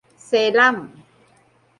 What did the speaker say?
เซรั่ม